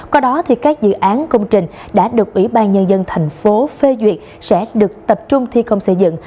có đó thì các dự án công trình đã được ủy ban nhân dân tp phê duyệt sẽ được tập trung thi công xây dựng